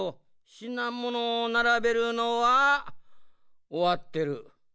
しなものをならべるのはおわってる。